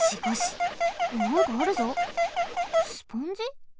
スポンジ？